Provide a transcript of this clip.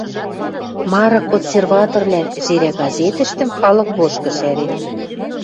Мары консерваторвлӓн «Жерӓ» газетӹштӹм халык лошкы шӓрен.